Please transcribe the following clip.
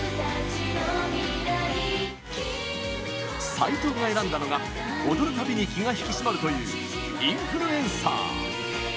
齋藤が選んだのが踊るたびに気が引き締まるという「インフルエンサー」。